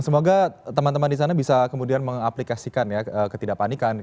semoga teman teman di sana bisa kemudian mengaplikasikan ya ketidakpanikan